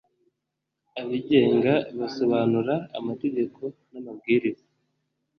abigenga bisobanura amategeko n amabwiriza